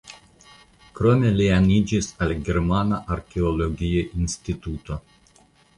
Krome li aniĝis al Germana Arkeologia Instituto.